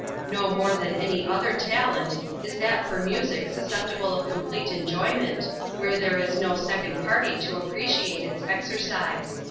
No more than any other talent, is that for music susceptible of complete enjoyment, where there is no second party to appreciate its exercise.